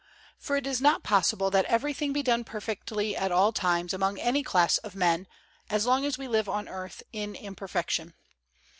For it is not possible that everything be done perfectly at all times among any class of men, as long as we live on earth in imperfection.